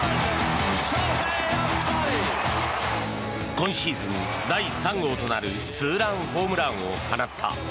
今シーズン第３号となるツーランホームランを放った。